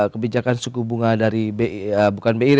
kebijakan suku bunga dari bukan bi